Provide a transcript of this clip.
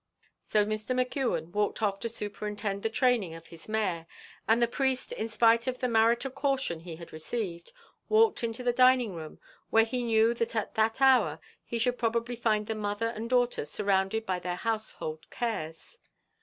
So Mr. McKeon walked off to superintend the training of his mare; and the priest, in spite of the marital caution he had received, walked into the dining room, where he knew that at that hour he should probably find the mother and daughters surrounded by their household cares.